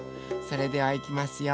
それではいきますよ。